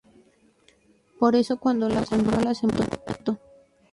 Por eso cuando la controla se mueve tanto.